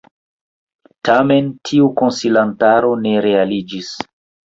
Tamen tiu konsilantaro ne realiĝis.